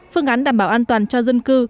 phương án đảm bảo an toàn cho dân cư